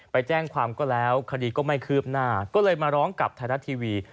ไปแจ้งความก็แล้วคดีก็ไม่คืบหน้าก็เลยมาร้องกับไทยรัฐทีวี